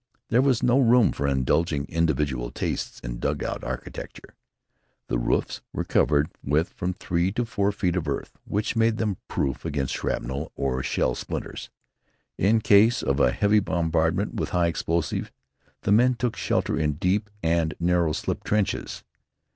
There was no room for indulging individual tastes in dugout architecture. The roofs were covered with from three to four feet of earth, which made them proof against shrapnel or shell splinters. In case of a heavy bombardment with high explosives, the men took shelter in deep and narrow "slip trenches."